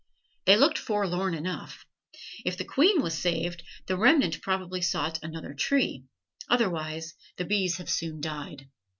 They looked forlorn enough. If the queen was saved the remnant probably sought another tree; otherwise the bees have soon died.